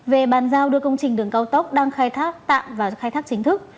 về bàn giao đưa công trình đường cao tốc đang khai thác tạm vào khai thác chính thức